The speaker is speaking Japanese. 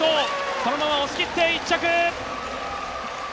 そのまま押し切って１着。